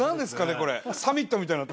これ。